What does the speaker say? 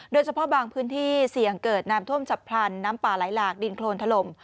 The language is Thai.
โดยเฉพาะบางพื้นที่เสี่ยงเกิดน้ำท่วมฉับพลันน้ำป่าไหลหลากดินโครนถล่ม